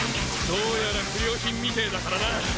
どうやら不良品みてぇだからな。